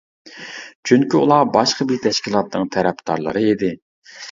چۈنكى ئۇلار باشقا بىر تەشكىلاتنىڭ تەرەپدارلىرى ئىدى.